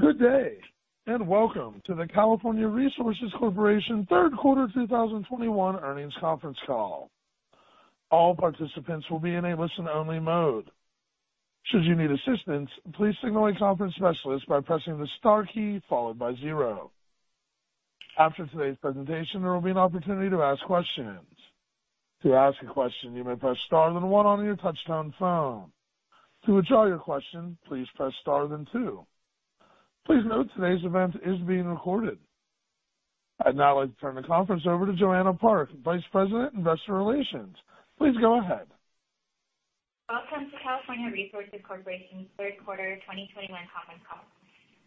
Good day, and welcome to the California Resources Corporation Q3 2021 Earnings Conference Call. All participants will be in a listen-only mode. Should you need assistance, please signal a conference specialist by pressing the star key followed by zero. After today's presentation, there will be an opportunity to ask questions. To ask a question, you may press star then one on your touchtone phone. To withdraw your question, please press star then two. Please note today's event is being recorded. I'd now like to turn the conference over to Joanna Park, Vice President, Investor Relations. Please go ahead. Welcome to California Resources Corporation's Q3 2021 Conference Call.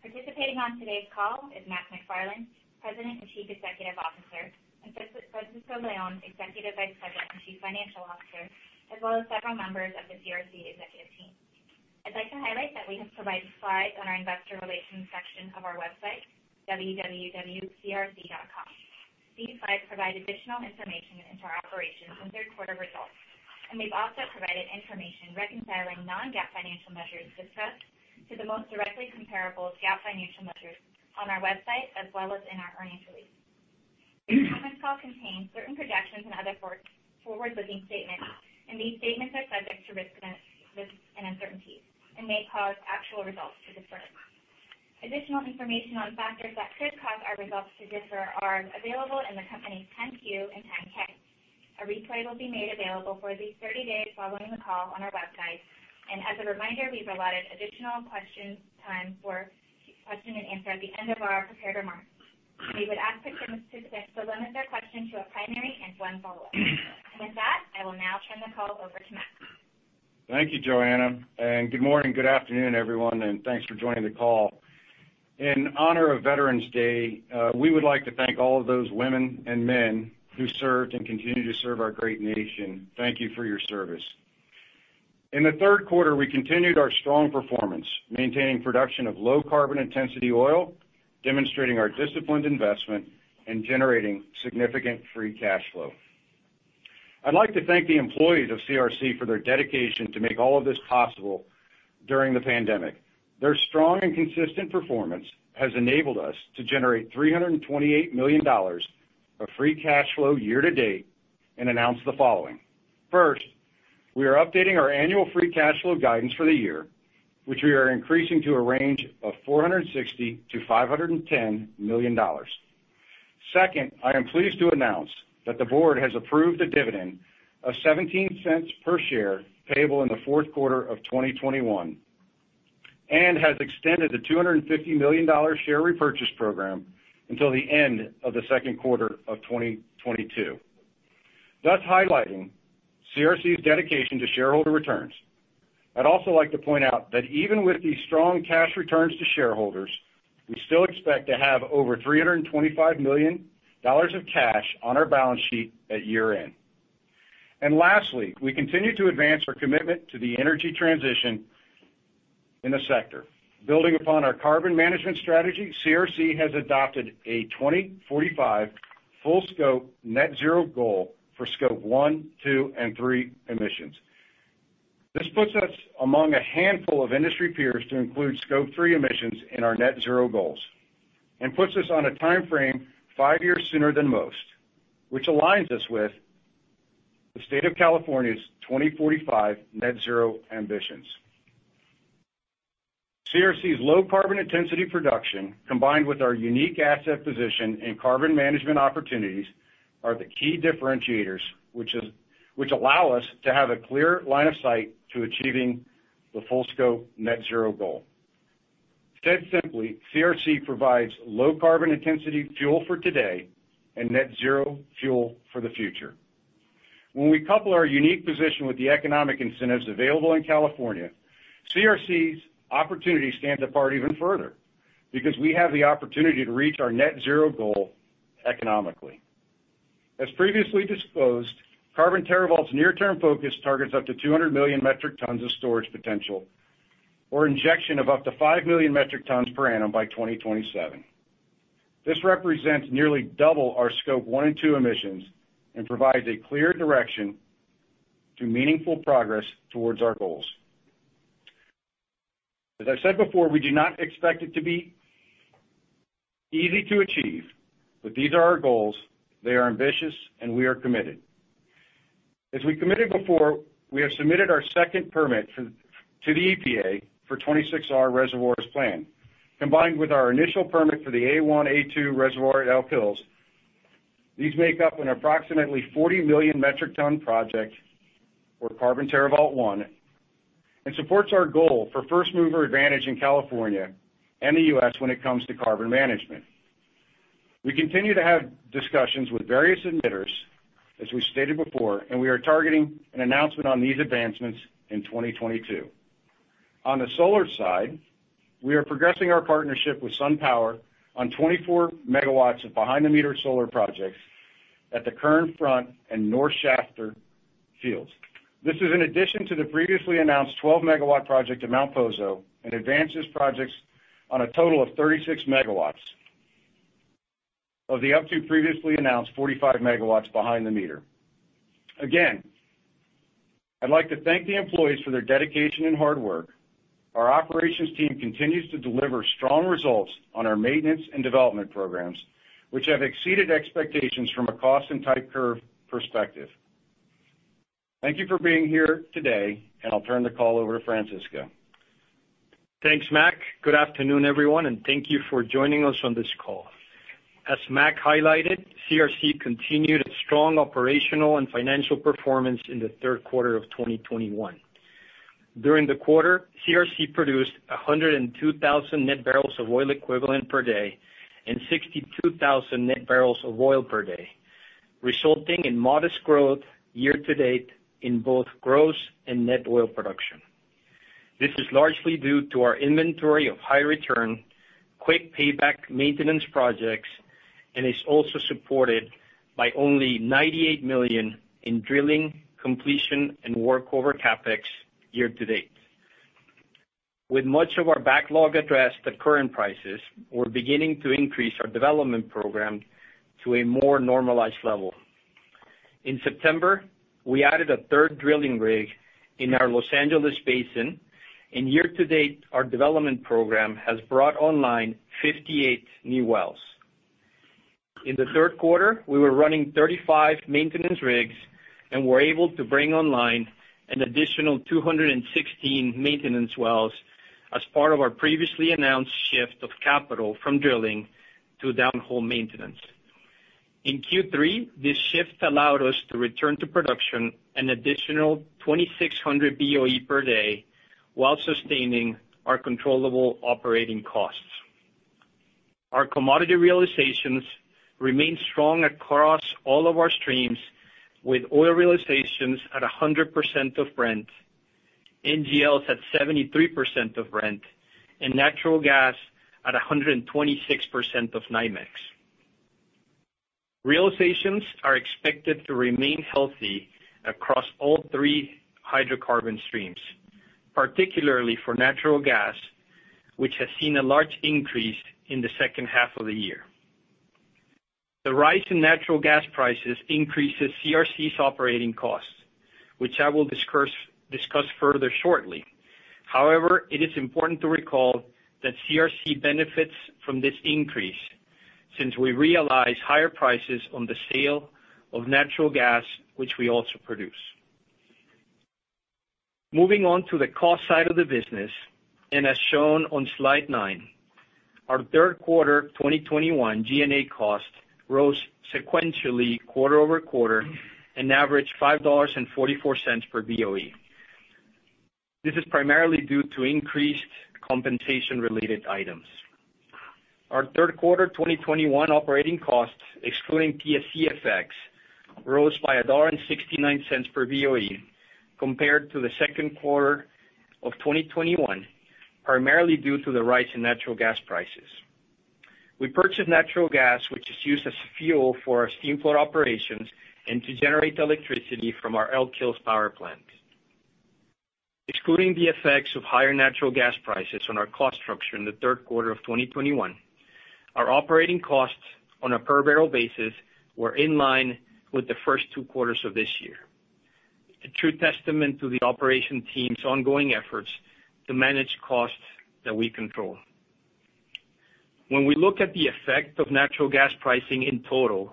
Participating on today's call is Mark McFarland, President and Chief Executive Officer, and Francisco Leon, Executive Vice President and Chief Financial Officer, as well as several members of the CRC executive team. I'd like to highlight that we have provided slides on our investor relations section of our website, www.crc.com. These slides provide additional information into our operations and Q3 results, and we've also provided information reconciling non-GAAP financial measures discussed to the most directly comparable GAAP financial measures on our website as well as in our earnings release. This conference call contains certain projections and other forward-looking statements, and these statements are subject to risks and uncertainties and may cause actual results to differ. Additional information on factors that could cause our results to differ are available in the company's 10-Q and 10-K. A replay will be made available for at least 30 days following the call on our website. As a reminder, we've allotted additional questions time for question and answer at the end of our prepared remarks. We would ask participants to limit their question to a primary and one follow-up. With that, I will now turn the call over to Mark McFarland. Thank you, Joanna, and good morning, good afternoon, everyone, and thanks for joining the call. In honor of Veterans Day, we would like to thank all of those women and men who served and continue to serve our great nation. Thank you for your service. In the Q3, we continued our strong performance, maintaining production of low carbon intensity oil, demonstrating our disciplined investment and generating significant free cash flow. I'd like to thank the employees of CRC for their dedication to make all of this possible during the pandemic. Their strong and consistent performance has enabled us to generate $328 million of free cash flow year to date and announce the following. First, we are updating our annual free cash flow guidance for the year, which we are increasing to a range of $460 million-$510 million. Second, I am pleased to announce that the board has approved a dividend of $0.17 per share payable in the Q4 of quarter of 2021 and has extended the $250 million share repurchase program until the end of the Q2 of 2022, thus highlighting CRC's dedication to shareholder returns. I'd also like to point out that even with these strong cash returns to shareholders, we still expect to have over $325 million of cash on our balance sheet at year-end. Lastly, we continue to advance our commitment to the energy transition in the sector. Building upon our carbon management strategy, CRC has adopted a 2045 full scope net zero goal for Scope 1, 2, and 3 emissions. This puts us among a handful of industry peers to include Scope 3 emissions in our net zero goals and puts us on a timeframe five years sooner than most, which aligns us with the state of California's 2045 net zero ambitions. CRC's low carbon intensity production, combined with our unique asset position and carbon management opportunities, are the key differentiators which allow us to have a clear line of sight to achieving the full scope net zero goal. Said simply, CRC provides low carbon intensity fuel for today and net zero fuel for the future. When we couple our unique position with the economic incentives available in California, CRC's opportunity stands apart even further because we have the opportunity to reach our net zero goal economically. As previously disclosed, Carbon TerraVault's near-term focus targets up to 200 million metric tons of storage potential or injection of up to five million metric tons per annum by 2027. This represents nearly double our Scope 1 and 2 emissions and provides a clear direction to meaningful progress towards our goals. As I said before, we do not expect it to be easy to achieve, but these are our goals, they are ambitious, and we are committed. As we committed before, we have submitted our second permit to the EPA for 26R reservoirs plan. Combined with our initial permit for the A one, A two reservoir at Elk Hills, these make up an approximately 40 million metric ton project for Carbon TerraVault I, and supports our goal for first-mover advantage in California and the U.S. when it comes to carbon management. We continue to have discussions with various emitters, as we stated before, and we are targeting an announcement on these advancements in 2022. On the solar side, we are progressing our partnership with SunPower on 24 MW of behind the meter solar projects at the Kern Front and North Shafter fields. This is in addition to the previously announced 12 MW project at Mount Poso and advances projects on a total of 36 MW of the up to previously announced 45 MW behind the meter. Again, I'd like to thank the employees for their dedication and hard work. Our operations team continues to deliver strong results on our maintenance and development programs, which have exceeded expectations from a cost and type curve perspective. Thank you for being here today, and I'll turn the call over to Francisco. Thanks, Mark. Good afternoon, everyone, and thank you for joining us on this call. As Mark highlighted, CRC continued its strong operational and financial performance in the Q3 of 2021. During the quarter, CRC produced 102,000 net barrels of oil equivalent per day and 62,000 net barrels of oil per day, resulting in modest growth year to date in both gross and net oil production. This is largely due to our inventory of high return, quick payback maintenance projects, and is also supported by only $98 million in drilling, completion, and workover CapEx year to date. With much of our backlog addressed at current prices, we're beginning to increase our development program to a more normalized level. In September, we added a third drilling rig in our Los Angeles Basin, and year to date, our development program has brought online 58 new wells. In the Q3, we were running 35 maintenance rigs and were able to bring online an additional 216 maintenance wells as part of our previously announced shift of capital from drilling to downhole maintenance. In Q3, this shift allowed us to return to production an additional 2,600 BOE per day while sustaining our controllable operating costs. Our commodity realizations remain strong across all of our streams, with oil realizations at 100% of Brent, NGLs at 73% of Brent, and natural gas at 126% of NYMEX. Realizations are expected to remain healthy across all three hydrocarbon streams, particularly for natural gas, which has seen a large increase in the second half of the year. The rise in natural gas prices increases CRC's operating costs, which I will discuss further shortly. However, it is important to recall that CRC benefits from this increase since we realize higher prices on the sale of natural gas, which we also produce. Moving on to the cost side of the business, and as shown on slide nine, our Q3 2021 G&A cost rose sequentially quarter-over-quarter an average $5.44 per BOE. This is primarily due to increased compensation-related items. Our Q3 2021 operating costs, excluding PSC effects, rose by $1.69 per BOE compared to the Q2 of 2021, primarily due to the rise in natural gas prices. We purchased natural gas, which is used as fuel for our steamflood operations and to generate electricity from our Elk Hills power plants. Excluding the effects of higher natural gas prices on our cost structure in the Q3 of 2021, our operating costs on a per barrel basis were in line with the first two quarters of this year. A true testament to the operations team's ongoing efforts to manage costs that we control. When we look at the effect of natural gas pricing in total,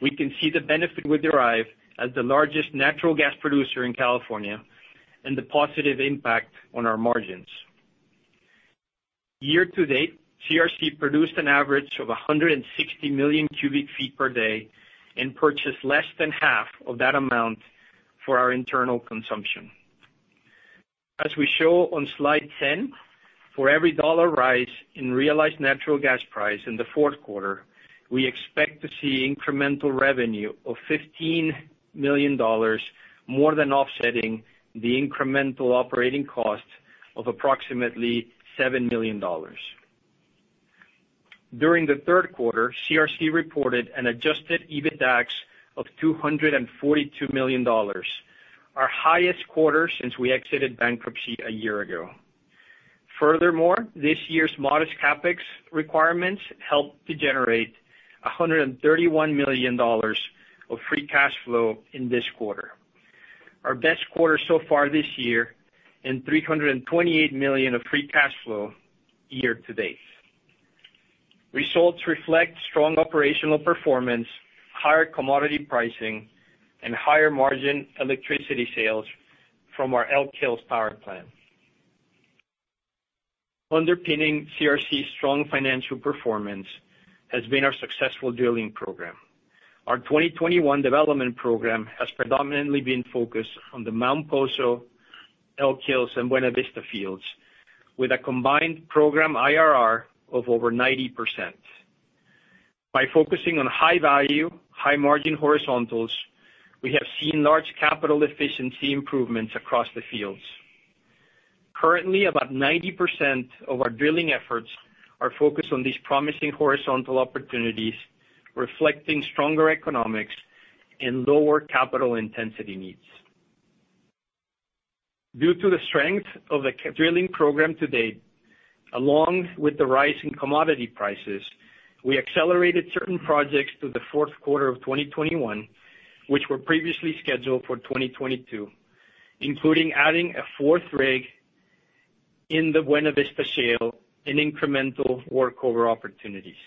we can see the benefit we derive as the largest natural gas producer in California and the positive impact on our margins. Year to date, CRC produced an average of 160 million cubic feet per day and purchased less than half of that amount for our internal consumption. As we show on slide 10, for every dollar rise in realized natural gas price in the Q4, we expect to see incremental revenue of $15 million, more than offsetting the incremental operating cost of approximately $7 million. During the Q3, CRC reported an adjusted EBITDAX of $242 million, our highest quarter since we exited bankruptcy a year ago. Furthermore, this year's modest CapEx requirements helped to generate $131 million of free cash flow in this quarter, our best quarter so far this year, and $328 million of free cash flow year to date. Results reflect strong operational performance, higher commodity pricing, and higher margin electricity sales from our Elk Hills power plant. Underpinning CRC's strong financial performance has been our successful drilling program. Our 2021 development program has predominantly been focused on the Mount Poso, Elk Hills, and Buena Vista fields, with a combined program IRR of over 90%. By focusing on high value, high margin horizontals, we have seen large capital efficiency improvements across the fields. Currently, about 90% of our drilling efforts are focused on these promising horizontal opportunities, reflecting stronger economics and lower capital intensity needs. Due to the strength of the drilling program to date, along with the rise in commodity prices, we accelerated certain projects to the Q4 of 2021, which were previously scheduled for 2022, including adding a fourth rig in the Buena Vista Shale in incremental workover opportunities.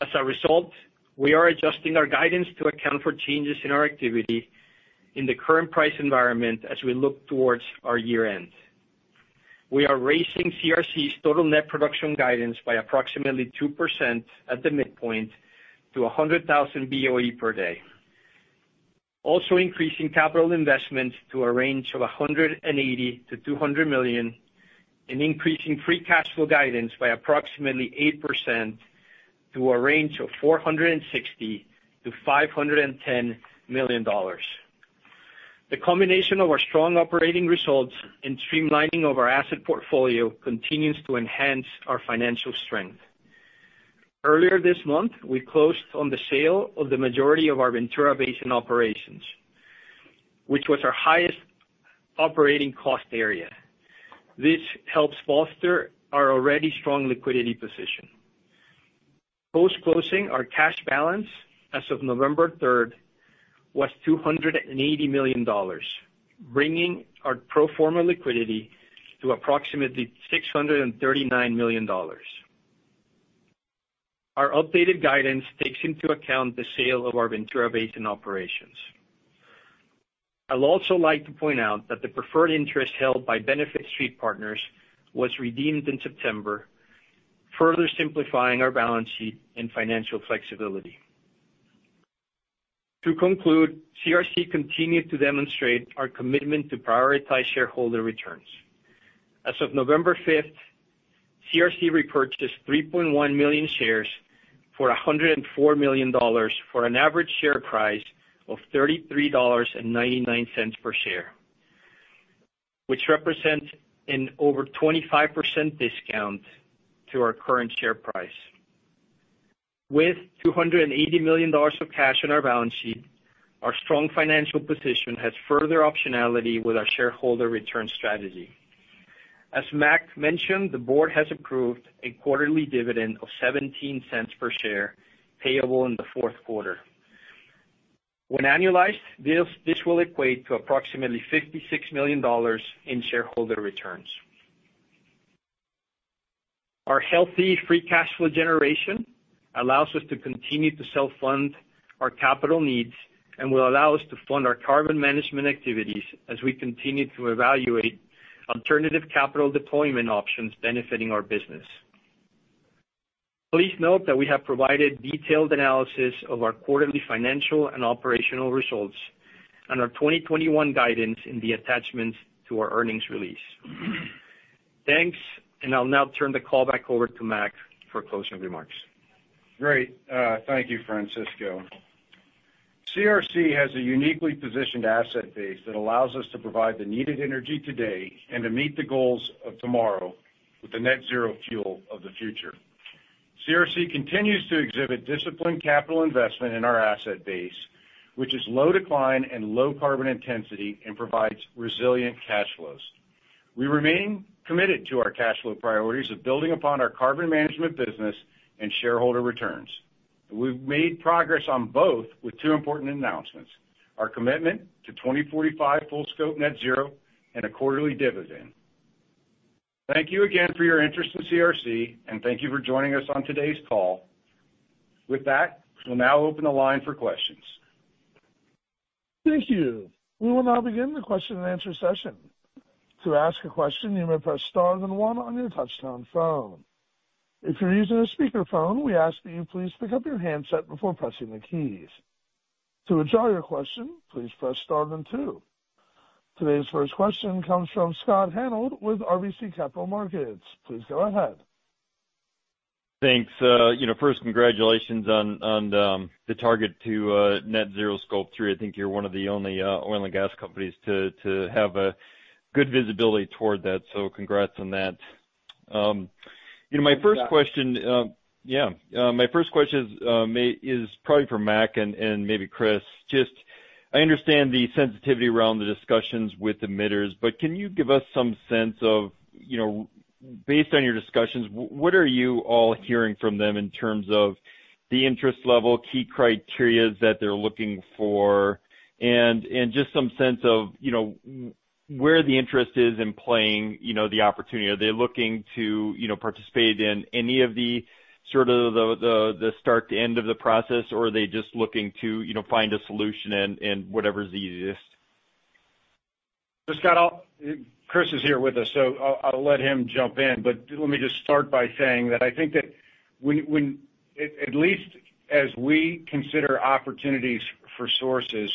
As a result, we are adjusting our guidance to account for changes in our activity in the current price environment as we look towards our year-end. We are raising CRC's total net production guidance by approximately 2% at the midpoint to 100,000 BOE per day. Also increasing capital investments to a range of $180 million-$200 million, and increasing free cash flow guidance by approximately 8% to a range of $460 million-$510 million. The combination of our strong operating results and streamlining of our asset portfolio continues to enhance our financial strength. Earlier this month, we closed on the sale of the majority of our Ventura Basin operations, which was our highest operating cost area. This helps foster our already strong liquidity position. Post-closing, our cash balance as of 3 November was $280 million, bringing our pro forma liquidity to approximately $639 million. Our updated guidance takes into account the sale of our Ventura Basin operations. I'll also like to point out that the preferred interest held by Benefit Street Partners was redeemed in September, further simplifying our balance sheet and financial flexibility. To conclude, CRC continued to demonstrate our commitment to prioritize shareholder returns. As of November fifth, CRC repurchased 3.1 million shares for $104 million for an average share price of $33.99 per share, which represent an over 25% discount to our current share price. With $280 million of cash on our balance sheet, our strong financial position has further optionality with our shareholder return strategy. As Mark mentioned, the board has approved a quarterly dividend of $0.17 per share payable in the Q4. When annualized, this will equate to approximately $56 million in shareholder returns. Our healthy free cash flow generation allows us to continue to self-fund our capital needs and will allow us to fund our carbon management activities as we continue to evaluate alternative capital deployment options benefiting our business. Please note that we have provided detailed analysis of our quarterly financial and operational results and our 2021 guidance in the attachments to our earnings release. Thanks, and I'll now turn the call back over to Mark for closing remarks. Great. Thank you, Francisco. CRC has a uniquely positioned asset base that allows us to provide the needed energy today and to meet the goals of tomorrow with the net zero fuel of the future. CRC continues to exhibit disciplined capital investment in our asset base, which is low decline and low carbon intensity and provides resilient cash flows. We remain committed to our cash flow priorities of building upon our carbon management business and shareholder returns. We've made progress on both with two important announcements, our commitment to 2045 full scope net zero, and a quarterly dividend. Thank you again for your interest in CRC, and thank you for joining us on today's call. With that, we'll now open the line for questions. Thank you. We will now begin the question-and-answer session. To ask a question, you may press star then one on your touchtone phone. If you're using a speakerphone, we ask that you please pick up your handset before pressing the keys. To withdraw your question, please press star then two. Today's first question comes from Scott Hanold with RBC Capital Markets. Please go ahead. Thanks. You know, first congratulations on the target to net zero scope three. I think you're one of the only oil and gas companies to have a good visibility toward that. So congrats on that. You know, my first question is probably for Mark and maybe Chris. Just I understand the sensitivity around the discussions with emitters, but can you give us some sense of, you know, based on your discussions, what are you all hearing from them in terms of the interest level, key criteria that they're looking for, and just some sense of, you know, where the interest is in playing, you know, the opportunity? Are they looking to, you know, participate in any of the sort of the start to end of the process, or are they just looking to, you know, find a solution and whatever's easiest? Scott, Chris is here with us, so I'll let him jump in, but let me just start by saying that I think that when at least as we consider opportunities for sources,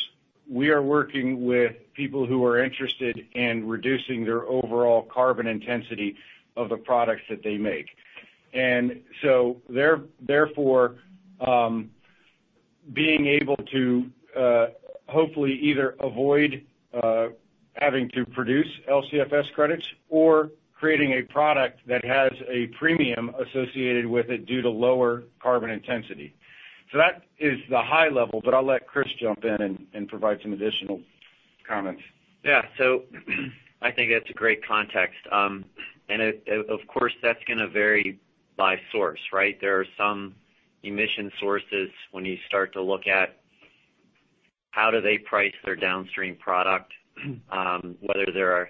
we are working with people who are interested in reducing their overall carbon intensity of the products that they make. They're therefore being able to hopefully either avoid having to produce LCFS credits or creating a product that has a premium associated with it due to lower carbon intensity. That is the high level, but I'll let Chris jump in and provide some additional comments. Yeah. I think that's a great context. Of course, that's gonna vary by source, right? There are some emission sources when you start to look at how do they price their downstream product, whether they're a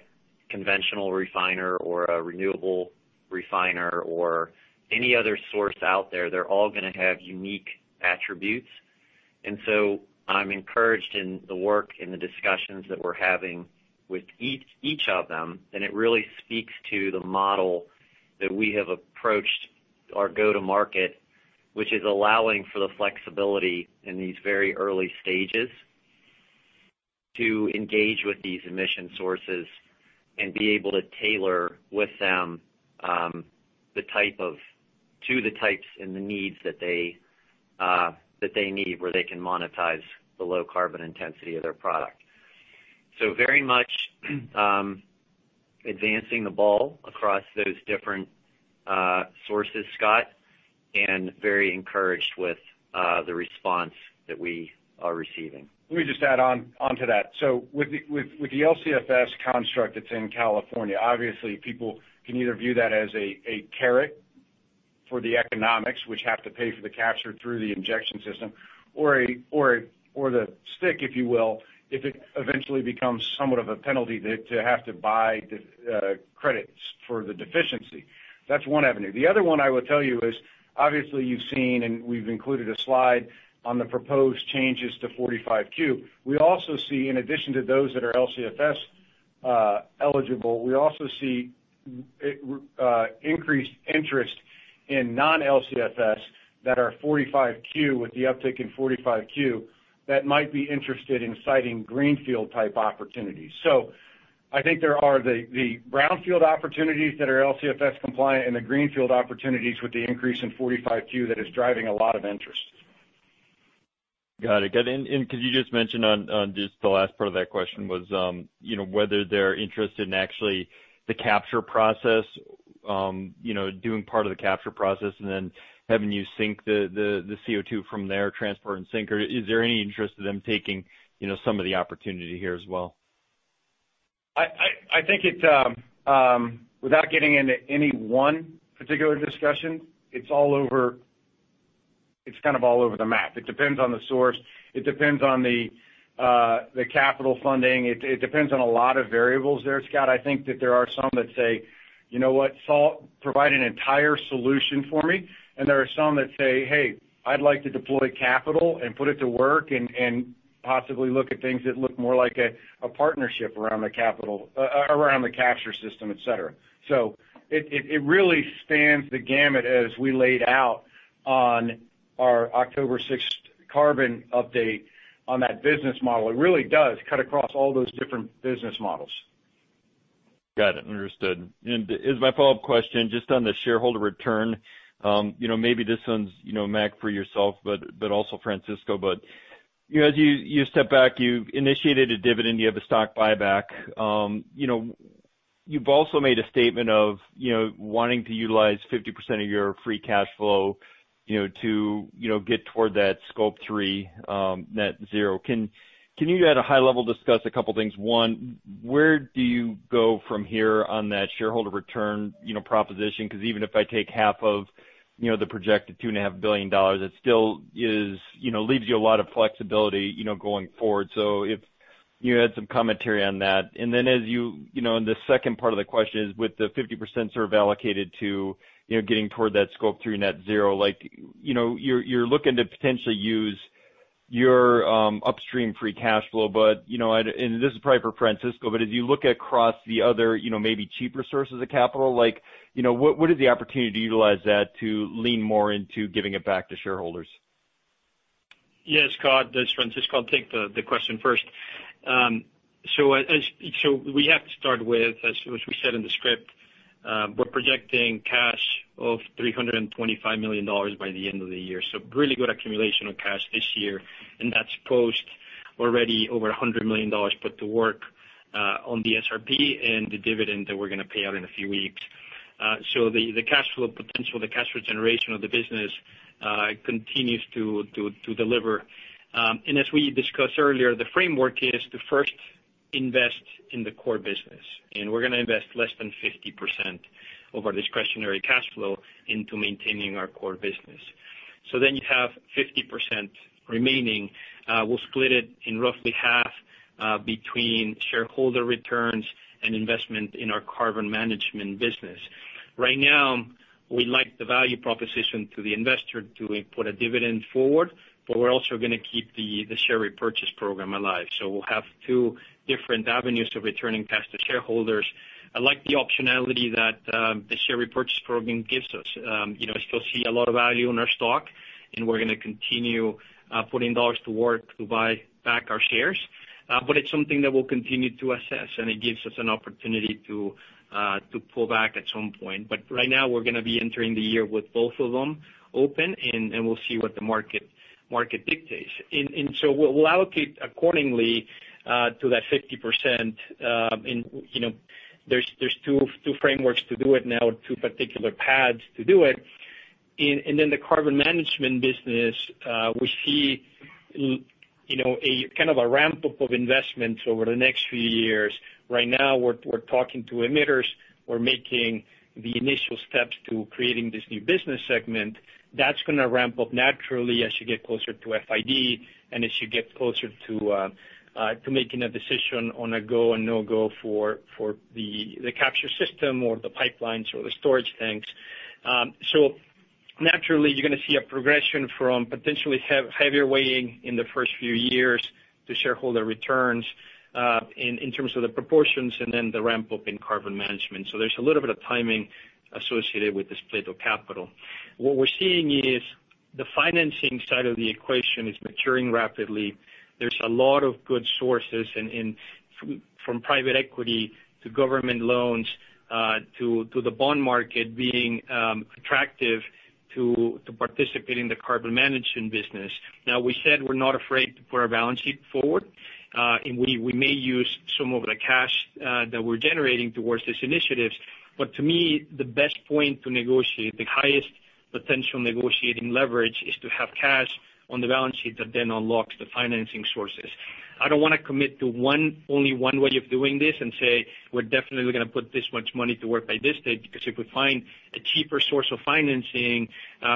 conventional refiner or a renewable refiner or any other source out there, they're all gonna have unique attributes. I'm encouraged in the work, in the discussions that we're having with each of them, and it really speaks to the model that we have approached our go-to-market, which is allowing for the flexibility in these very early stages to engage with these emission sources and be able to tailor with them to the types and the needs that they need where they can monetize the low carbon intensity of their product. Very much advancing the ball across those different sources, Scott, and very encouraged with the response that we are receiving. Let me just add on to that. With the LCFS construct that's in California, obviously people can either view that as a carrot for the economics, which have to pay for the capture through the injection system or the stick, if you will, if it eventually becomes somewhat of a penalty to have to buy the credits for the deficiency. That's one avenue. The other one I will tell you is, obviously you've seen, and we've included a slide on the proposed changes to 45Q. We also see in addition to those that are LCFS eligible, we also see increased interest in non-LCFS that are 45Q with the uptick in 45Q that might be interested in siting greenfield type opportunities. I think there are the brownfield opportunities that are LCFS compliant and the greenfield opportunities with the increase in 45Q that is driving a lot of interest. Got it. Could you just mention on just the last part of that question was, you know, whether they're interested in actually the capture process, you know, doing part of the capture process and then having you sink the CO2 from there transport and sink, or is there any interest in them taking, you know, some of the opportunity here as well? I think without getting into any one particular discussion, it's all over the map. It depends on the source. It depends on the capital funding. It depends on a lot of variables there, Scott. I think that there are some that say, "You know what? That'll provide an entire solution for me." There are some that say, "Hey, I'd like to deploy capital and put it to work and possibly look at things that look more like a partnership around the capital around the capture system," et cetera. It really spans the gamut as we laid out on our 6 October carbon update on that business model. It really does cut across all those different business models. Got it. Understood. As my follow-up question, just on the shareholder return, you know, maybe this one's, you know, Mark for yourself, but also Francisco. You know, as you step back, you've initiated a dividend, you have a stock buyback. You know, you've also made a statement of, you know, wanting to utilize 50% of your free cash flow, you know, to, you know, get toward that scope three, net zero. Can you at a high level discuss a couple of things? One, where do you go from here on that shareholder return, you know, proposition? Because even if I take half of, you know, the projected $2.5 billion, it still is, you know, leaves you a lot of flexibility, you know, going forward. If you had some commentary on that. Then as you know, and the second part of the question is, with the 50% sort of allocated to, you know, getting toward that Scope 3 net zero, like, you know, you're looking to potentially use your upstream free cash flow. But, you know, and this is probably for Francisco, but as you look across the other, you know, maybe cheaper sources of capital, like, you know, what is the opportunity to utilize that to lean more into giving it back to shareholders? Yeah. Scott, this is Francisco Leon. I'll take the question first. We have to start with, as we said in the script, we're projecting cash of $325 million by the end of the year. Really good accumulation of cash this year, and that's post already over $100 million put to work on the SRP and the dividend that we're gonna pay out in a few weeks. The cash flow potential, the cash flow generation of the business continues to deliver. And as we discussed earlier, the framework is to first invest in the core business, and we're gonna invest less than 50% of our discretionary cash flow into maintaining our core business. You have 50% remaining. We'll split it in roughly half between shareholder returns and investment in our carbon management business. Right now, we like the value proposition to the investor to put a dividend forward, but we're also gonna keep the share repurchase program alive. We'll have two different avenues of returning cash to shareholders. I like the optionality that the share repurchase program gives us. You know, I still see a lot of value in our stock, and we're gonna continue putting dollars to work to buy back our shares. It's something that we'll continue to assess, and it gives us an opportunity to pull back at some point. Right now, we're gonna be entering the year with both of them open, and we'll see what the market dictates. We'll allocate accordingly to that 50%. You know, there's two frameworks to do it now, two particular paths to do it. The carbon management business, we see you know, a kind of ramp up of investments over the next few years. Right now, we're talking to emitters. We're making the initial steps to creating this new business segment. That's gonna ramp up naturally as you get closer to FID and as you get closer to making a decision on a go or no-go for the capture system or the pipelines or the storage tanks. Naturally, you're gonna see a progression from potentially heavier weighting in the first few years to shareholder returns in terms of the proportions and then the ramp-up in carbon management. There's a little bit of timing associated with the split of capital. What we're seeing is the financing side of the equation is maturing rapidly. There's a lot of good sources from private equity to government loans to the bond market being attractive to participate in the carbon management business. Now we said we're not afraid to put our balance sheet forward, and we may use some of the cash that we're generating towards these initiatives. To me, the best point to negotiate, the highest potential negotiating leverage is to have cash on the balance sheet that then unlocks the financing sources. I don't wanna commit to one, only one way of doing this and say, "We're definitely gonna put this much money to work by this date," because if we find a cheaper source of financing,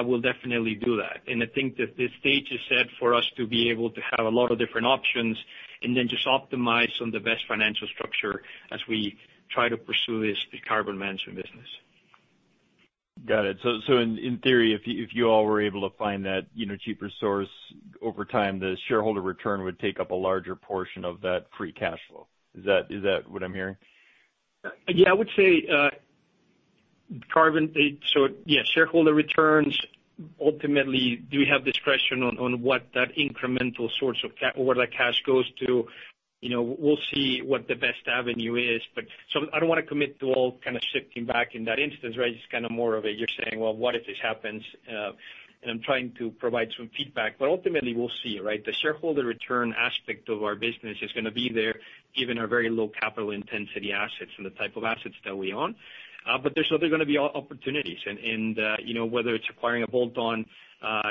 we'll definitely do that. I think that the stage is set for us to be able to have a lot of different options and then just optimize on the best financial structure as we try to pursue this, the carbon management business. Got it. In theory, if you all were able to find that, you know, cheaper source over time, the shareholder return would take up a larger portion of that free cash flow. Is that what I'm hearing? Yeah, I would say, so yeah, shareholder returns, ultimately, do we have discretion on what that incremental source of cash or where that cash goes to? You know, we'll see what the best avenue is. I don't wanna commit to all kind of shifting back in that instance, right? It's kind of more of a you're saying, "Well, what if this happens?" I'm trying to provide some feedback, but ultimately we'll see, right? The shareholder return aspect of our business is gonna be there given our very low capital intensity assets and the type of assets that we own. There's certainly gonna be opportunities. You know, whether it's acquiring a bolt-on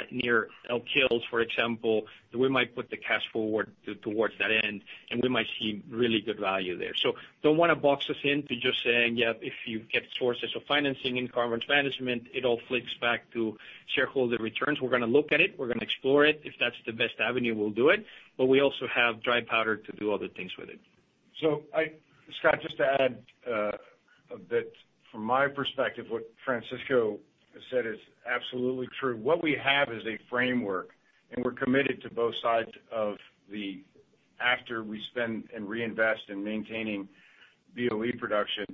near Elk Hills, for example, we might put the cash forward towards that end, and we might see really good value there. don't wanna box us in to just saying, "Yeah, if you get sources of financing in carbon management, it all flows back to shareholder returns." We're gonna look at it. We're gonna explore it. If that's the best avenue, we'll do it. We also have dry powder to do other things with it. Scott, just to add a bit from my perspective, what Francisco has said is absolutely true. What we have is a framework, and we're committed to both sides of that after we spend and reinvest in maintaining BOE production,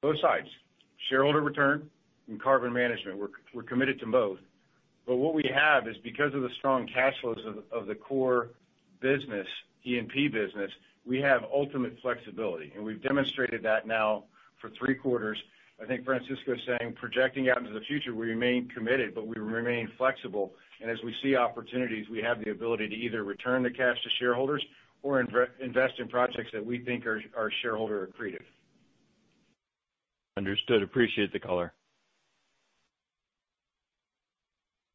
both sides, shareholder return and carbon management. We're committed to both. What we have is because of the strong cash flows of the core business, E&P business, we have ultimate flexibility, and we've demonstrated that now for three quarters. I think Francisco is saying, projecting out into the future, we remain committed, but we remain flexible. As we see opportunities, we have the ability to either return the cash to shareholders or reinvest in projects that we think are shareholder accretive. Understood. Appreciate the color.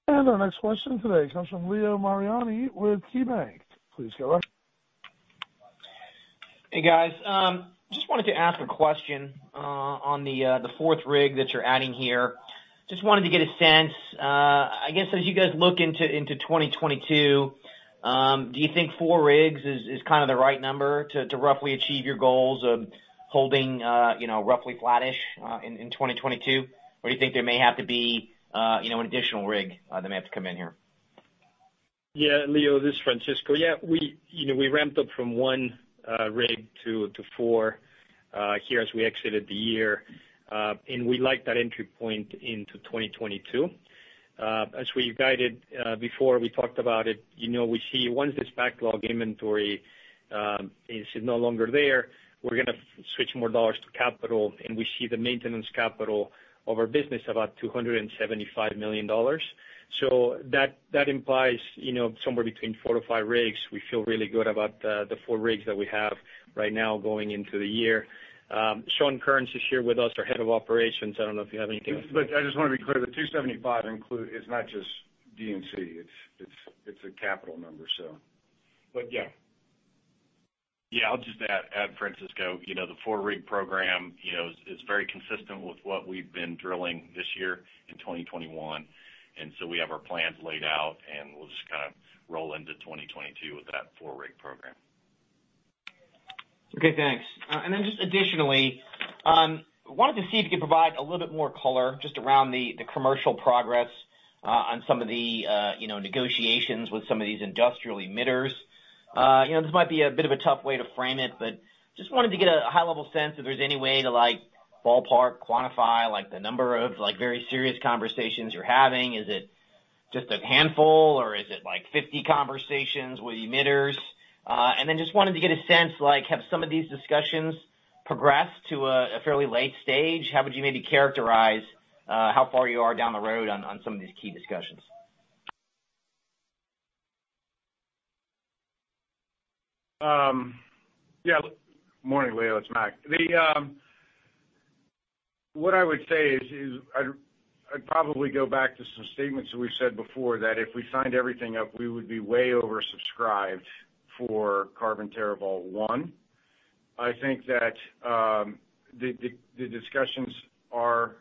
Our next question today comes from Leo Mariani with KeyBank. Please go ahead. Hey, guys. Just wanted to ask a question on the fourth rig that you're adding here. Just wanted to get a sense, I guess as you guys look into 2022, do you think four rigs is kind of the right number to roughly achieve your goals of holding, you know, roughly flattish in 2022? Or do you think there may have to be, you know, an additional rig that may have to come in here? Yeah, Leo, this is Francisco. Yeah, we, you know, we ramped up from one rig to four here as we exited the year, and we like that entry point into 2022. As we guided before we talked about it, you know, we see once this backlog inventory is no longer there, we're gonna switch more dollars to capital, and we see the maintenance capital of our business about $275 million. So that implies, you know, somewhere between four to five rigs. We feel really good about the four rigs that we have right now going into the year. Shawn Kerns is here with us, our Head of Operations. I don't know if you have anything else. I just wanna be clear, the $275 include. It's not just D&C. It's a capital number. So. Yeah. Yeah, I'll just add, Francisco. You know, the four-rig program, you know, is very consistent with what we've been drilling this year in 2021. We have our plans laid out, and we'll just kind of roll into 2022 with that four-rig program. Okay, thanks. Just additionally, wanted to see if you could provide a little bit more color just around the commercial progress on some of the, you know, negotiations with some of these industrial emitters. You know, this might be a bit of a tough way to frame it, but just wanted to get a high-level sense if there's any way to like ballpark quantify like the number of like very serious conversations you're having. Is it just a handful or is it like 50 conversations with emitters? Just wanted to get a sense like have some of these discussions progressed to a fairly late stage. How would you maybe characterize how far you are down the road on some of these key discussions? Morning, Leo, it's Mark. What I would say is I'd probably go back to some statements that we've said before, that if we signed everything up, we would be way oversubscribed for Carbon TerraVault one. I think that the discussions are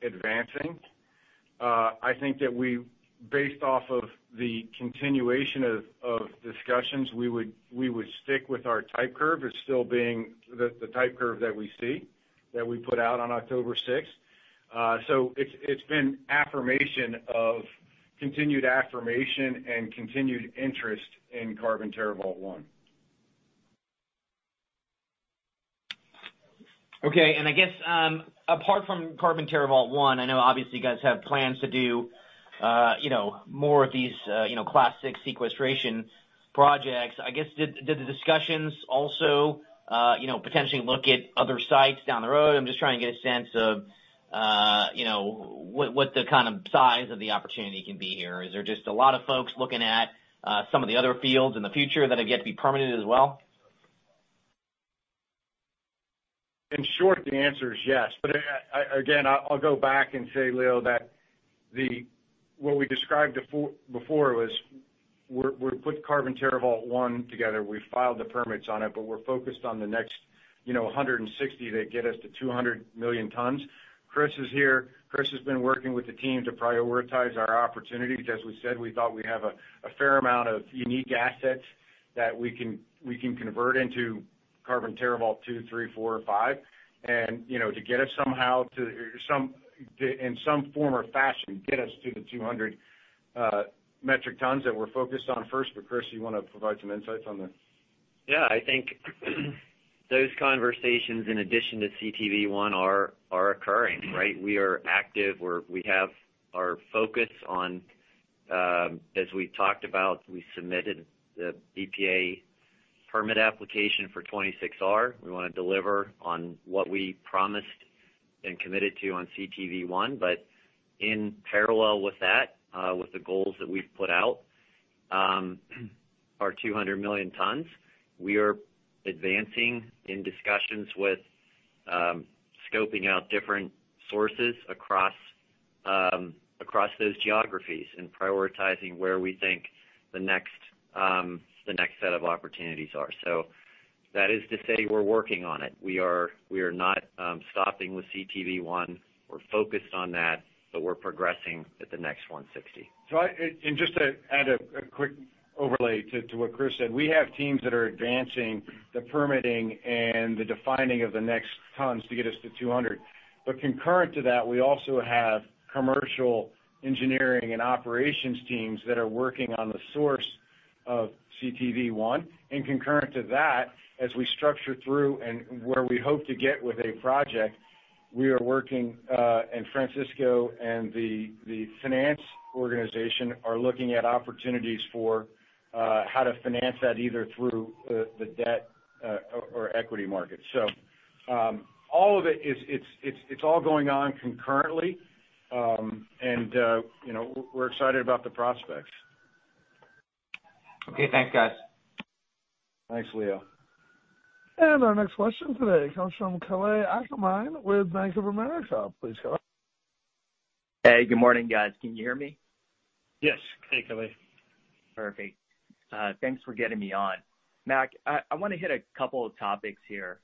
advancing. I think that we based off of the continuation of discussions, we would stick with our type curve as still being the type curve that we see, that we put out on 6 October. So it's been affirmation of continued affirmation and continued interest in Carbon TerraVault one. Okay. I guess, apart from Carbon TerraVault I know obviously you guys have plans to do, you know, more of these, you know, classic sequestration projects. I guess, did the discussions also, you know, potentially look at other sites down the road? I'm just trying to get a sense of, you know, what the kind of size of the opportunity can be here. Is there just a lot of folks looking at, some of the other fields in the future that have yet to be permitted as well? In short, the answer is yes. Again, I'll go back and say, Leo, that what we described before was we're putting Carbon TerraVault I together. We filed the permits on it, but we're focused on the next 160 that get us to 200 million tons. Chris is here. Chris has been working with the team to prioritize our opportunities. As we said, we thought we have a fair amount of unique assets that we can convert into Carbon TerraVault two, three, four or five. To get us somehow in some form or fashion, get us to the 200 metric tons that we're focused on first. Chris, you wanna provide some insights on that? Yeah, I think those conversations, in addition to CTV I, are occurring, right? We are active. We have our focus on, as we talked about, we submitted the EPA permit application for 26 R. We wanna deliver on what we promised and committed to on CTV I. In parallel with that, with the goals that we've put out, are 200 million tons. We are advancing in discussions with, scoping out different sources across those geographies and prioritizing where we think the next set of opportunities are. That is to say we're working on it. We are not stopping with CTV I. We're focused on that, but we're progressing at the next 160. Just to add a quick overlay to what Chris said, we have teams that are advancing the permitting and the defining of the next tons to get us to 200. Concurrent to that, we also have commercial engineering and operations teams that are working on the source of CTV I. Concurrent to that, as we structure through and where we hope to get with a project, we are working, and Francisco and the finance organization are looking at opportunities for how to finance that, either through the debt or equity market. It's all going on concurrently. You know, we're excited about the prospects. Okay. Thanks, guys. Thanks, Leo. Our next question today comes from Kalei Akamine with Bank of America. Please go ahead. Hey, good morning, guys. Can you hear me? Yes. Hey, Kalei. Perfect. Thanks for getting me on. Mark, I wanna hit a couple of topics here.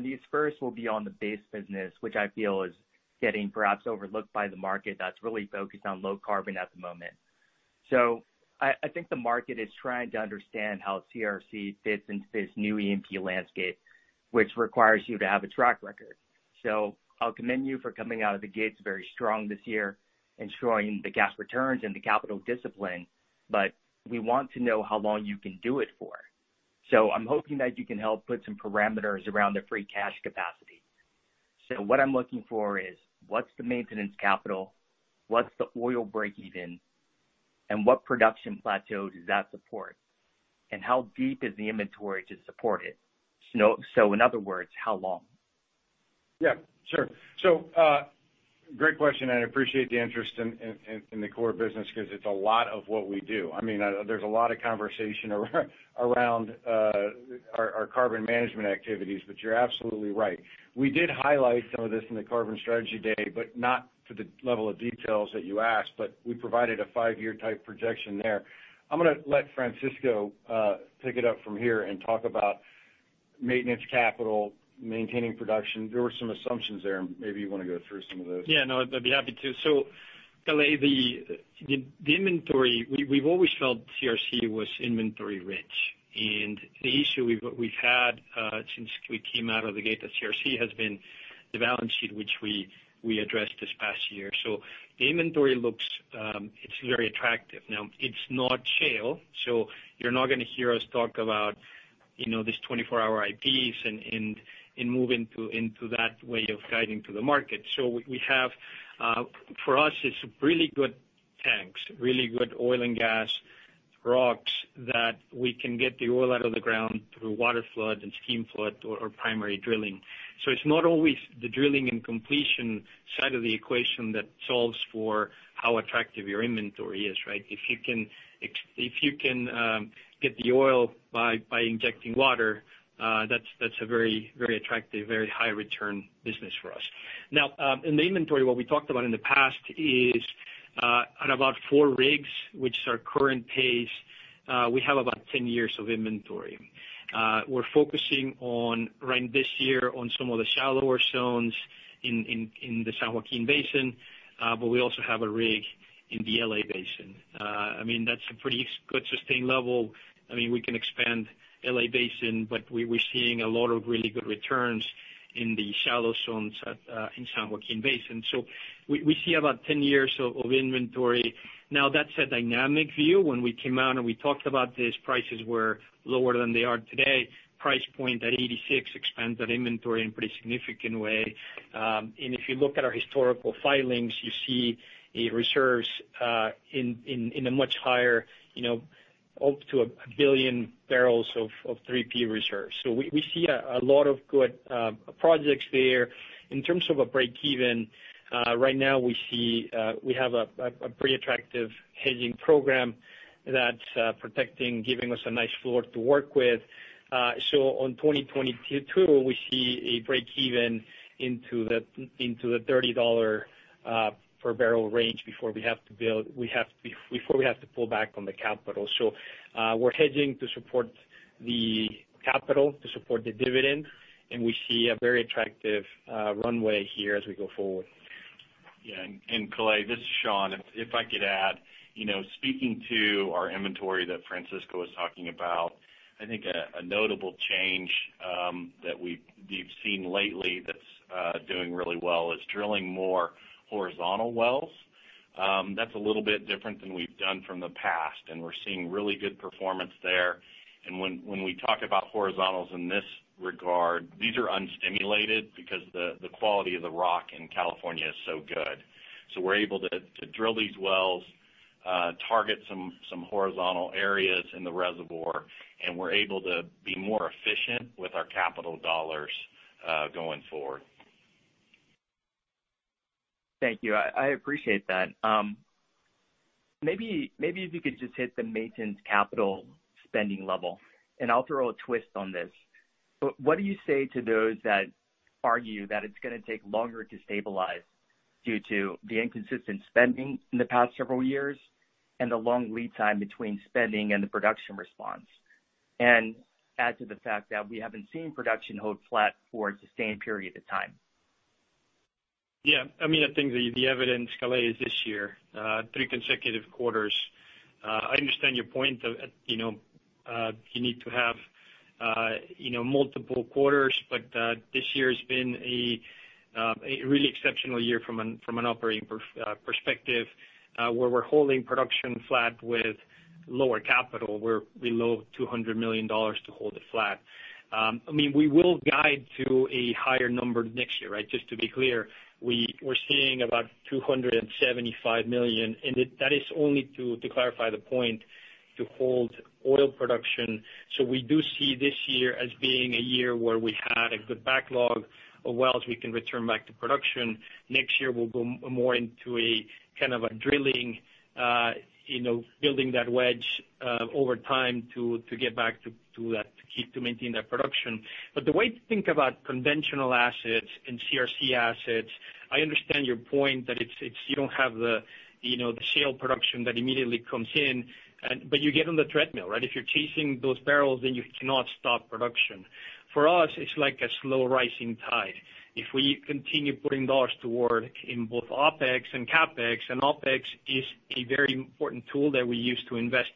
These first will be on the base business, which I feel is getting perhaps overlooked by the market that's really focused on low carbon at the moment. I think the market is trying to understand how CRC fits into this new E&P landscape, which requires you to have a track record. I'll commend you for coming out of the gates very strong this year and showing the gas returns and the capital discipline, but we want to know how long you can do it for. I'm hoping that you can help put some parameters around the free cash capacity. What I'm looking for is, what's the maintenance capital? What's the oil breakeven? And what production plateau does that support? How deep is the inventory to support it? In other words, how long? Yeah, sure. Great question, and I appreciate the interest in the core business because it's a lot of what we do. I mean, there's a lot of conversation around our carbon management activities, but you're absolutely right. We did highlight some of this in the Carbon Strategy Day, but not to the level of details that you asked, but we provided a five-year type projection there. I'm gonna let Francisco pick it up from here and talk about maintenance capital, maintaining production. There were some assumptions there, and maybe you wanna go through some of those. Yeah, no, I'd be happy to. Kalei, the inventory, we've always felt CRC was inventory rich. The issue we've had since we came out of the gate at CRC has been the balance sheet, which we addressed this past year. The inventory looks, it's very attractive. Now, it's not shale, so you're not gonna hear us talk about, you know, these 24-hour IPs and move into that way of guiding to the market. We have, for us, it's really good tanks, really good oil and gas. Rocks that we can get the oil out of the ground through water flood and steam flood or primary drilling. It's not always the drilling and completion side of the equation that solves for how attractive your inventory is, right? If you can get the oil by injecting water, that's a very attractive, very high return business for us. Now, in the inventory, what we talked about in the past is, at about four rigs, which is our current pace, we have about 10 years of inventory. We're focusing on, Ryan, this year on some of the shallower zones in the San Joaquin Basin, but we also have a rig in the L.A. Basin. I mean, that's a pretty good sustained level. I mean, we can expand L.A. Basin, but we're seeing a lot of really good returns in the shallow zones at, in San Joaquin Basin. We see about 10 years of inventory. Now, that's a dynamic view. When we came out and we talked about this, prices were lower than they are today. Price point at $86 expands that inventory in pretty significant way. If you look at our historical filings, you see a reserves in a much higher, you know, up to one billion barrels of 3P reserves. We see a lot of good projects there. In terms of a break even, right now we see we have a pretty attractive hedging program that's protecting, giving us a nice floor to work with. In 2022, we see a breakeven in the $30 per barrel range before we have to pull back on the capital. We're hedging to support the capital, to support the dividend, and we see a very attractive runway here as we go forward. Yeah. Kalei, this is Shawn. If I could add, you know, speaking to our inventory that Francisco was talking about, I think a notable change that we've seen lately that's doing really well is drilling more horizontal wells. That's a little bit different than we've done from the past, and we're seeing really good performance there. When we talk about horizontals in this regard, these are unstimulated because the quality of the rock in California is so good. We're able to drill these wells, target some horizontal areas in the reservoir, and we're able to be more efficient with our capital dollars going forward. Thank you. I appreciate that. Maybe if you could just hit the maintenance capital spending level, and I'll throw a twist on this. What do you say to those that argue that it's gonna take longer to stabilize due to the inconsistent spending in the past several years and the long lead time between spending and the production response, and add to the fact that we haven't seen production hold flat for a sustained period of time? Yeah. I mean, I think the evidence, Kalei, is this year, three consecutive quarters. I understand your point of, you know, you need to have, you know, multiple quarters, but this year has been a really exceptional year from an operating perspective, where we're holding production flat with lower capital. We're below $200 million to hold it flat. I mean, we will guide to a higher number next year, right? Just to be clear, we're seeing about $275 million, and that is only to clarify the point, to hold oil production. So we do see this year as being a year where we had a good backlog of wells we can return back to production. Next year, we'll go more into a kind of a drilling, you know, building that wedge, over time to get back to that, to keep, to maintain that production. The way to think about conventional assets and CRC assets, I understand your point that it's, you don't have the, you know, the shale production that immediately comes in, but you get on the treadmill, right? If you're chasing those barrels, then you cannot stop production. For us, it's like a slow rising tide. If we continue putting dollars toward, in both OpEx and CapEx, and OpEx is a very important tool that we use to invest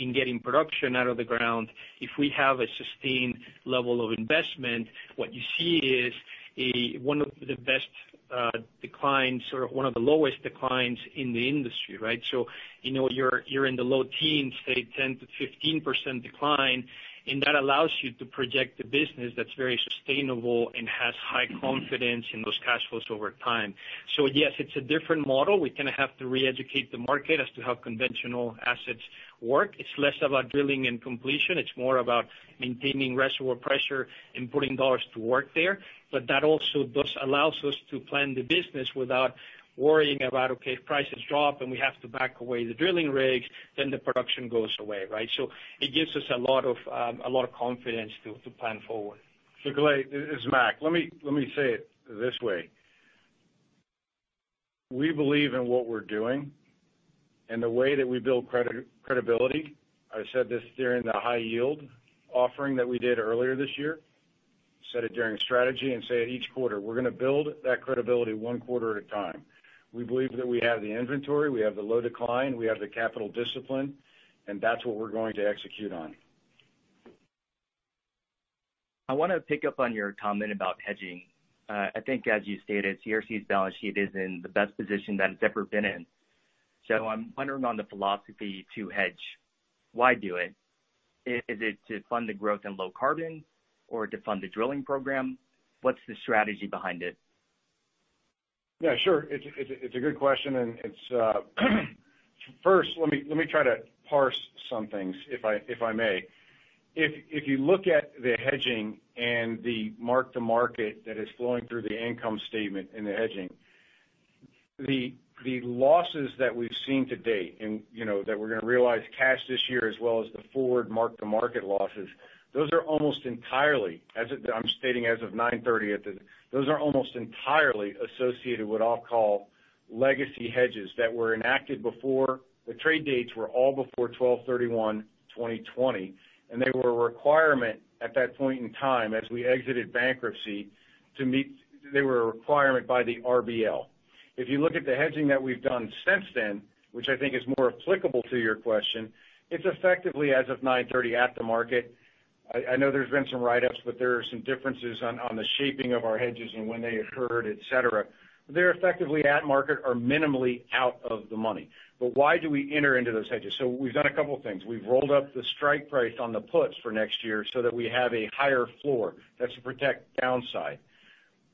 in getting production out of the ground. If we have a sustained level of investment, what you see is one of the best declines or one of the lowest declines in the industry, right? You know, you're in the low teens, say 10%-15% decline, and that allows you to project a business that's very sustainable and has high confidence in those cash flows over time. Yes, it's a different model. We kind of have to reeducate the market as to how conventional assets work. It's less about drilling and completion. It's more about maintaining reservoir pressure and putting dollars to work there. But that also does, allows us to plan the business without worrying about, okay, if prices drop and we have to back away the drilling rigs, then the production goes away, right? It gives us a lot of confidence to plan forward. Calais, this is Mark. Let me say it this way. We believe in what we're doing, and the way that we build credibility, I said this during the high yield offering that we did earlier this year, said it during strategy and say it each quarter, we're gonna build that credibility one quarter at a time. We believe that we have the inventory, we have the low decline, we have the capital discipline, and that's what we're going to execute on. I wanna pick up on your comment about hedging. I think as you stated, CRC's balance sheet is in the best position that it's ever been in. I'm wondering on the philosophy to hedge. Why do it? Is it to fund the growth in low carbon or to fund the drilling program? What's the strategy behind it? Yeah, sure. It's a good question and it's first, let me try to parse some things if I may. If you look at the hedging and the mark-to-market that is flowing through the income statement in the hedging, the losses that we've seen to date, and, you know, that we're gonna realize cash this year as well as the forward mark-to-market losses, those are almost entirely, as of 9/30, associated with what I'll call legacy hedges that were enacted before. The trade dates were all before 31 December 2020, and they were a requirement at that point in time as we exited bankruptcy. They were a requirement by the RBL. If you look at the hedging that we've done since then, which I think is more applicable to your question, it's effectively as of 9:30 A.M. at the market. I know there's been some write-ups, but there are some differences on the shaping of our hedges and when they occurred, et cetera. They're effectively at market or minimally out of the money. Why do we enter into those hedges? We've done a couple things. We've rolled up the strike price on the puts for next year so that we have a higher floor. That's to protect downside.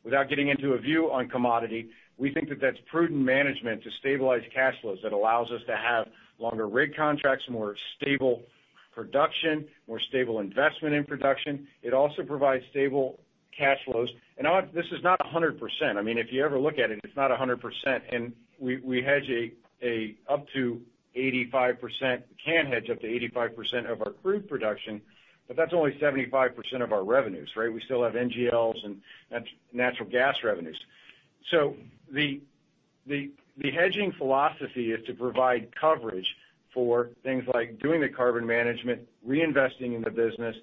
Without getting into a view on commodity, we think that that's prudent management to stabilize cash flows that allows us to have longer rig contracts, more stable production, more stable investment in production. It also provides stable cash flows. this is not 100%. I mean, if you ever look at it's not 100%. We hedge up to 85% of our crude production, but that's only 75% of our revenues, right? We still have NGLs and natural gas revenues. The hedging philosophy is to provide coverage for things like doing the carbon management, reinvesting in the business,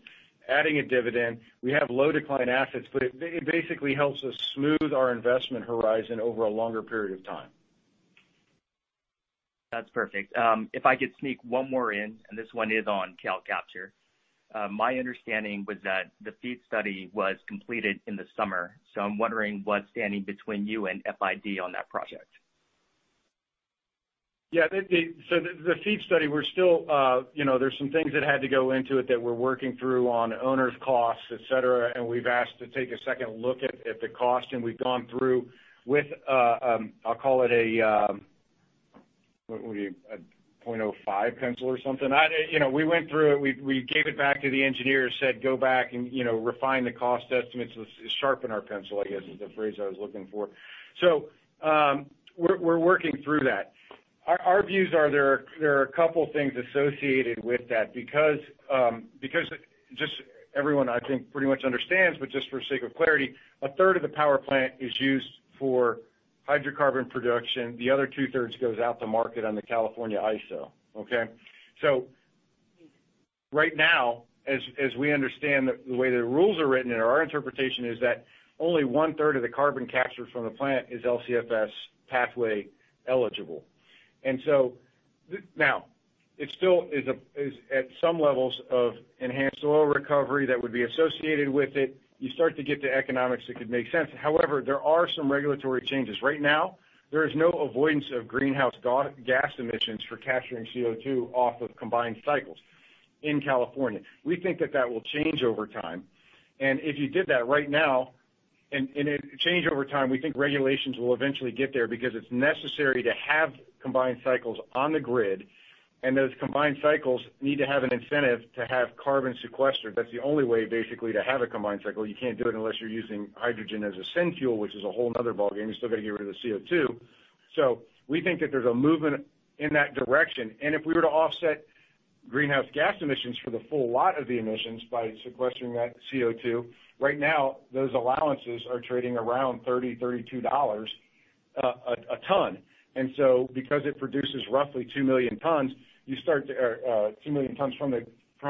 adding a dividend. We have low decline assets, but it basically helps us smooth our investment horizon over a longer period of time. That's perfect. If I could sneak one more in, this one is on CalCapture. My understanding was that the FEED study was completed in the summer, so I'm wondering what's standing between you and FID on that project. Yeah. The FEED study, we're still, you know, there's some things that had to go into it that we're working through on owner's costs, et cetera. We've asked to take a second look at the cost, and we've gone through with, I'll call it a 0.05 pencil or something. You know, we went through it. We gave it back to the engineers, said, "Go back and, you know, refine the cost estimates. Let's sharpen our pencil," I guess, is the phrase I was looking for. We're working through that. Our views are there are a couple things associated with that because just everyone I think pretty much understands, but just for sake of clarity, a third of the power plant is used for hydrocarbon production. The other two-thirds goes out to market on the California ISO, okay? Right now, as we understand the way the rules are written, and our interpretation is that only one-third of the carbon capture from the plant is LCFS pathway eligible. Now, it still is at some levels of enhanced oil recovery that would be associated with it. You start to get to economics that could make sense. However, there are some regulatory changes. Right now, there is no avoidance of greenhouse gas emissions for capturing CO2 off of combined cycles in California. We think that that will change over time. If you did that right now and it change over time, we think regulations will eventually get there because it's necessary to have combined cycles on the grid, and those combined cycles need to have an incentive to have carbon sequestered. That's the only way basically to have a combined cycle. You can't do it unless you're using hydrogen as a syn fuel, which is a whole nother ballgame. You still got to get rid of the CO2. We think that there's a movement in that direction. If we were to offset greenhouse gas emissions for the full lot of the emissions by sequestering that CO2, right now, those allowances are trading around $30-$32 a ton. Because it produces roughly two million tons from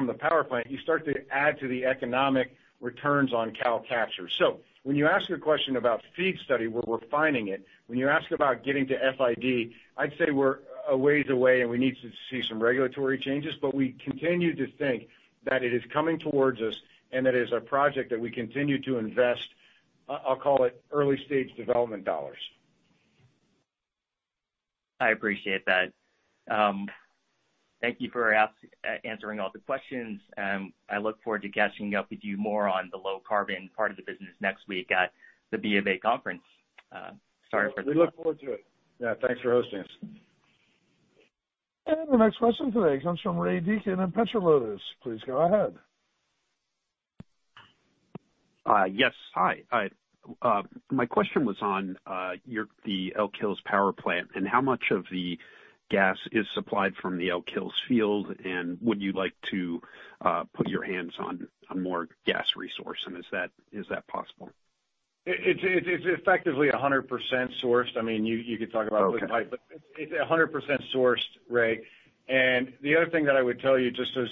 the power plant, you start to add to the economic returns on CalCapture. When you ask a question about FEED study, we're refining it. When you ask about getting to FID, I'd say we're a ways away, and we need to see some regulatory changes. We continue to think that it is coming towards us, and that is a project that we continue to invest, I'll call it early-stage development dollars. I appreciate that. Thank you for answering all the questions, and I look forward to catching up with you more on the low-carbon part of the business next week at the Bank of America conference. Sorry for- We look forward to it. Yeah, thanks for hosting us. The next question today comes from Ray Deacon at Petro Lotus. Please go ahead. Yes. Hi. My question was on the Elk Hills power plant and how much of the gas is supplied from the Elk Hills field, and would you like to put your hands on more gas resource, and is that possible? It's effectively 100% sourced. I mean, you could talk about pipe, but it's 100% sourced, Ray. The other thing that I would tell you just as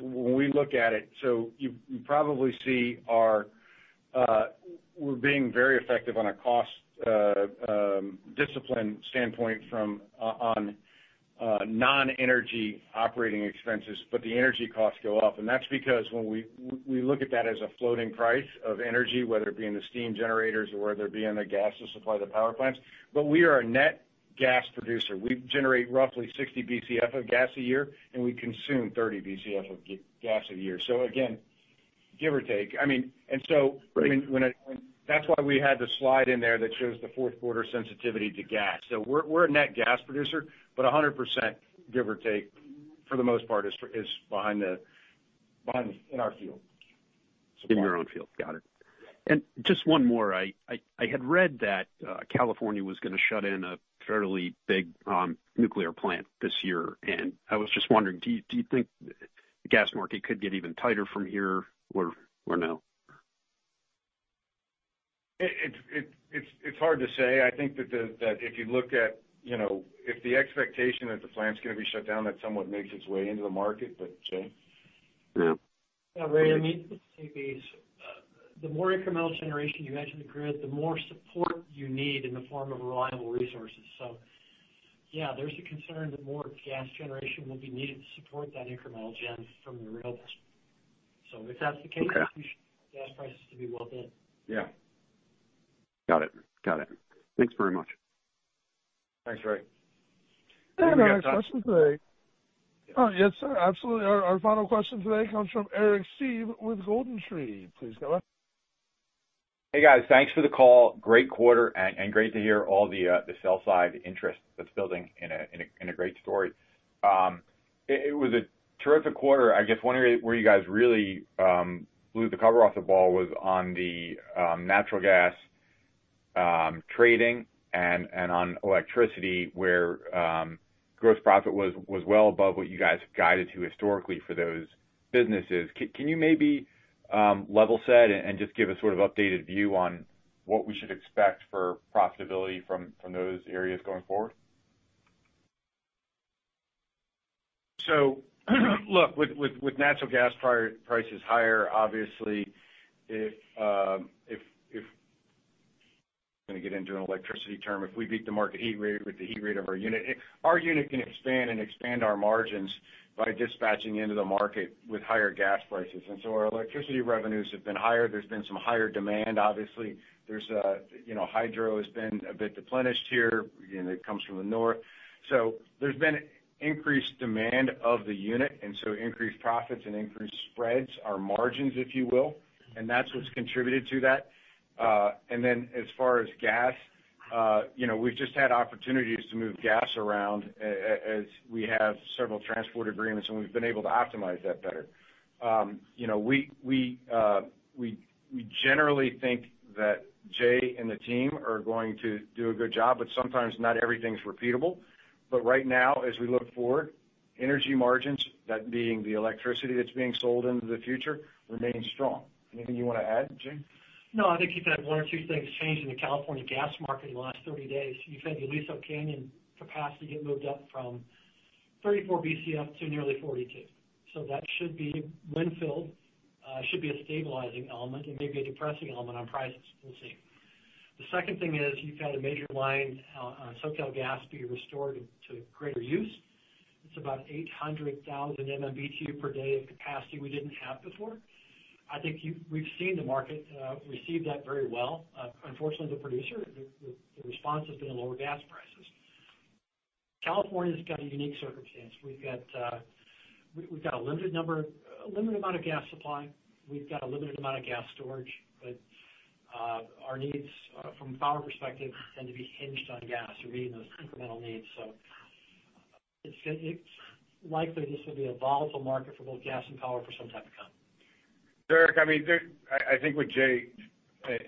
when we look at it, so you probably see we're being very effective on a cost discipline standpoint from non-energy operating expenses, but the energy costs go up. That's because when we look at that as a floating price of energy, whether it be in the steam generators or whether it be in the gas to supply the power plants. We are a net gas producer. We generate roughly 60 Bcf of gas a year, and we consume 30 Bcf of gas a year. Give or take. I mean, and so- Right. I mean, that's why we had the slide in there that shows the Q4 sensitivity to gas. We're a net gas producer, but 100%, give or take, for the most part is behind in our field. In your own field. Got it. Just one more. I had read that California was gonna shut in a fairly big nuclear plant this year, and I was just wondering, do you think the gas market could get even tighter from here or no? It's hard to say. I think that if you look at, you know, if the expectation that the plant's gonna be shut down, that somewhat makes its way into the market, but Jay? Yeah. Yeah. Ray, let me take these. The more incremental generation you add to the grid, the more support you need in the form of reliable resources. Yeah, there's a concern that more gas generation will be needed to support that incremental gen from the rail. If that's the case. Okay. You should see gas prices to be well then. Yeah. Got it. Thanks very much. Thanks, Ray. Our next question today. Oh, yes, sir. Absolutely. Our final question today comes from Eric Seeve with GoldenTree. Please go ahead. Hey, guys. Thanks for the call. Great quarter and great to hear all the sell-side interest that's building in a great story. It was a terrific quarter. I guess one area where you guys really knocked the cover off the ball was on the natural gas trading and on electricity, where gross profit was well above what you guys guided to historically for those businesses. Can you maybe level-set and just give a sort of updated view on what we should expect for profitability from those areas going forward? Look, with natural gas prices higher, obviously. If we beat the market heat rate with the heat rate of our unit, our unit can expand our margins by dispatching into the market with higher gas prices. Our electricity revenues have been higher. There's been some higher demand, obviously. Hydro has been a bit depleted here. It comes from the north. There's been increased demand of the unit, increased profits and increased spreads, our margins, if you will. That's what's contributed to that. Then as far as gas, we've just had opportunities to move gas around as we have several transport agreements, and we've been able to optimize that better. You know, we generally think that Jay and the team are going to do a good job, but sometimes not everything's repeatable. Right now, as we look forward, energy margins, that being the electricity that's being sold into the future, remain strong. Anything you wanna add, Jay? No, I think you've had one or two things change in the California gas market in the last 30 days. You've had Aliso Canyon capacity get moved up from 34 Bcf to nearly 42 Bcf. That should be filled, should be a stabilizing element and maybe a depressing element on prices. We'll see. The second thing is you've had a major line on SoCalGas be restored to greater use. It's about 800,000 MMBtu per day of capacity we didn't have before. I think we've seen the market receive that very well. Unfortunately, the producer response has been to lower gas prices. California's got a unique circumstance. We've got a limited amount of gas supply. We've got a limited amount of gas storage. Our needs from a power perspective tend to be hinged on gas. We're meeting those incremental needs. It's likely this will be a volatile market for both gas and power for some time to come. Eric Seeve, I mean, I think what Jay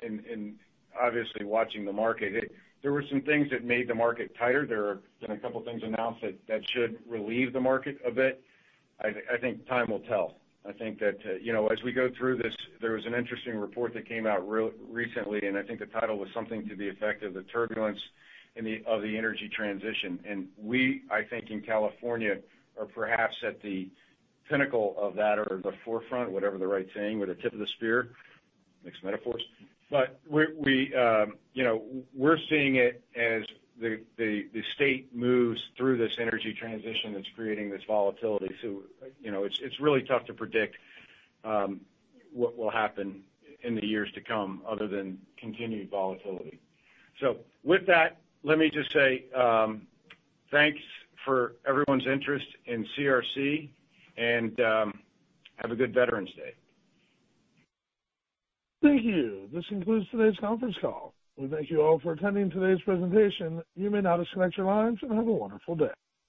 and obviously watching the market, there were some things that made the market tighter. There have been a couple things announced that should relieve the market a bit. I think time will tell. I think that, you know, as we go through this, there was an interesting report that came out recently, and I think the title was something to the effect of the turbulence of the energy transition. We, I think, in California, are perhaps at the pinnacle of that or the forefront, whatever the right saying, or the tip of the spear, mixed metaphors. We, you know, we're seeing it as the state moves through this energy transition that's creating this volatility. You know, it's really tough to predict what will happen in the years to come other than continued volatility. With that, let me just say thanks for everyone's interest in CRC, and have a good Veterans Day. Thank you. This concludes today's conference call. We thank you all for attending today's presentation. You may now disconnect your lines and have a wonderful day.